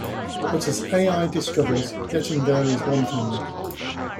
But, as Al discovers, getting there is one thing.